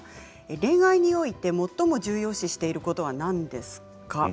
恋愛において最も重要視していることは何ですか。